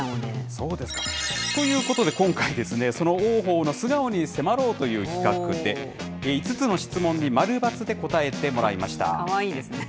そうですか。ということで今回ですね、その王鵬の素顔に迫ろうという企画で、５つの質問に〇×で答えてもらいかわいいですね。